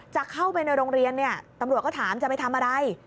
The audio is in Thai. จะเข้าไปในโรงเรียนเนี่ยตำรวจก็ถามจะไปทำอะไร